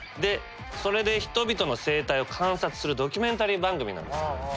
それで人々の生態を観察するドキュメンタリー番組なんです。